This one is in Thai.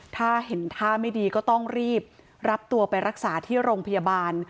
ถ้าเห็นท่าไม่ดีก็ต้องรีบรับตัวไปรักษาที่โรงพยาบาล